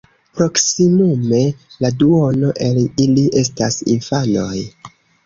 Proksimume la duono el ili estas infanoj.